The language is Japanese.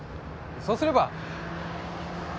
そうすれば。